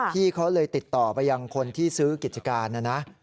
ที่เขาเลยติดต่อไปยังคนที่ซื้อกิจการนะนะ